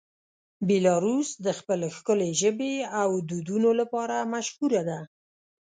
بیلاروس د خپل ښکلې ژبې او دودونو لپاره مشهوره دی.